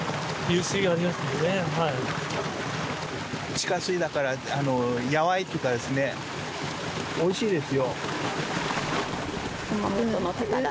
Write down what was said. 地下水だからやわいっていうかですねおいしいですよ。